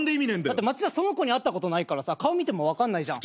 町田その子に会ったことないから顔見ても分かんないじゃん。